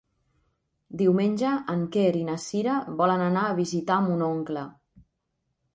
Diumenge en Quer i na Cira volen anar a visitar mon oncle.